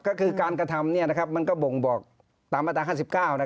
ครับก็คือการกระทำนี่นะครับมันก็บ่งบอกตามอาตาร๕๙นะครับ